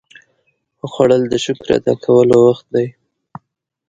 خوړل د شکر ادا کولو وخت دی